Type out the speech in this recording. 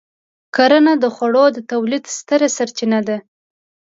کرنه د خوړو د تولید ستره سرچینه ده.